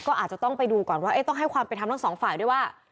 ก็อาจจะต้องไปดูก่อนว่าต้องให้ความเป็นธรรมทั้งสองฝ่ายด้วยว่า